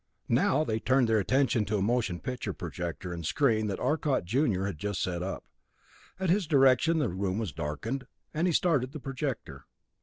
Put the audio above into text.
Now they turned their attention to a motion picture projector and screen that Arcot junior had just set up. At his direction the room was darkened; and he started the projector.